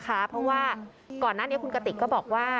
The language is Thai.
เพราะว่าก่อนหน้านี้คุณกติกก็บอกว่า